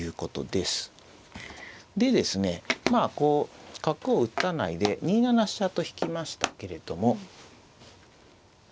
まあこう角を打たないで２七飛車と引きましたけれども。